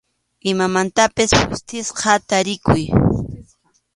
Imamantapas phutisqa tarikuy.